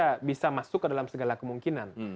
kita bisa masuk ke dalam segala kemungkinan